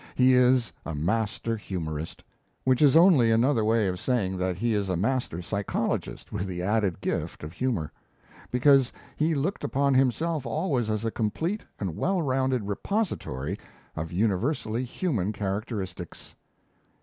He is a master humorist which is only another way of saying that he is a master psychologist with the added gift of humour because he looked upon himself always as a complete and well rounded repository of universally human characteristics.